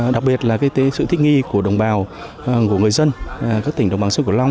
đặc biệt là sự thích nghi của đồng bào của người dân các tỉnh đồng bằng sông cửu long